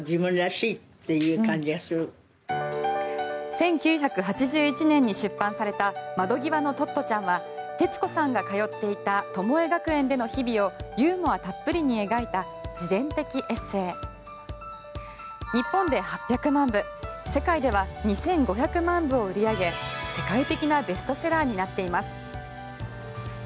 １９８１年に出版された「窓ぎわのトットちゃん」は徹子さんが通っていたトモエ学園での日々をユーモアたっぷりに描いた自伝的エッセー。日本で８００万部世界では２５００万部を売り上げ世界的なベストセラーになっています。